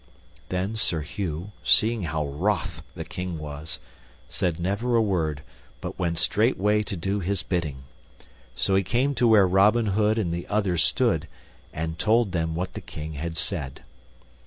Then Sir Hugh, seeing how wroth the King was, said never a word, but went straightway to do his bidding; so he came to where Robin Hood and the other stood, and told them what the King had said.